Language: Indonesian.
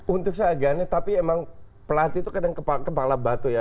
untuk seaganya tapi emang pelatih itu kadang kepala batu ya